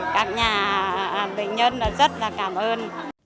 các nhà bệnh nhân rất là cảm ơn